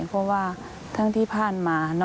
เพราะว่าทั้งที่ผ่านมา